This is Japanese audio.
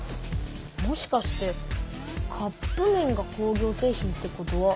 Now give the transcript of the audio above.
もしかしてカップめんが工業製品ってことは。